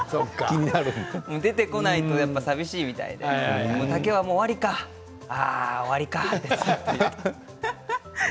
出てこないとさみしいみたいで竹雄は終わりか、終わりかって。